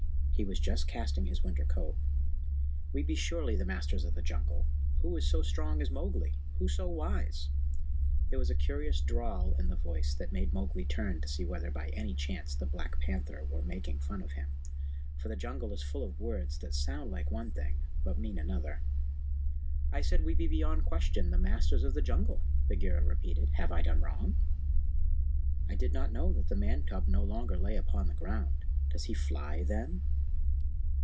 (He was just casting his winter coat.) "We be surely the Masters of the Jungle! Who is so strong as Mowgli? Who so wise?" There was a curious drawl in the voice that made Mowgli turn to see whether by any chance the Black Panther were making fun of him, for the Jungle is full of words that sound like one thing, but mean another. "I said we be beyond question the Masters of the Jungle," Bagheera repeated. "Have I done wrong? I did not know that the Man cub no longer lay upon the ground. Does he fly, then?"